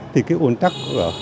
thì cái ủn tắc